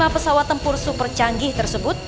lima pesawat tempur super canggih tersebut